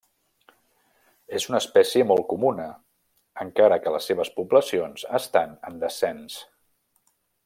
És una espècie molt comuna, encara que les seves poblacions estan en descens.